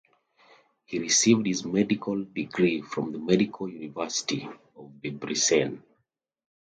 He received his medical degree from the Medical University of Debrecen.